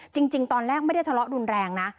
จริงตอนแรกไม่ได้ทะเลาะรุนแรงนะ